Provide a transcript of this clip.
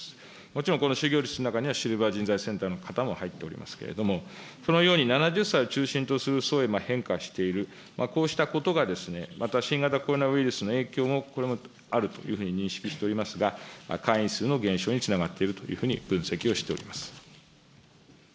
もちろんこの就業率の中には、シルバー人材センターの方も入っておりますけれども、そのように７０歳を中心とする層へ変化している、こうしたことが、また新型コロナウイルスの影響も、これもあるというふうに認識しておりますが、会員数の減少につながっているというふうに分析をしております。